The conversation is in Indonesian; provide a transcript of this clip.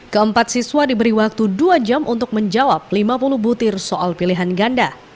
keempat siswa diberi waktu dua jam untuk menjawab lima puluh butir soal pilihan ganda